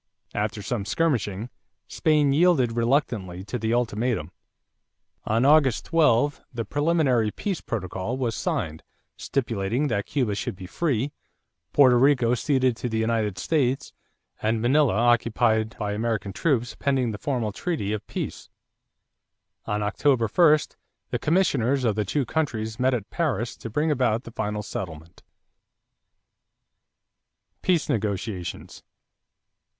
After some skirmishing Spain yielded reluctantly to the ultimatum. On August 12, the preliminary peace protocol was signed, stipulating that Cuba should be free, Porto Rico ceded to the United States, and Manila occupied by American troops pending the formal treaty of peace. On October 1, the commissioners of the two countries met at Paris to bring about the final settlement. =Peace Negotiations.